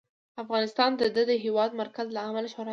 افغانستان د د هېواد مرکز له امله شهرت لري.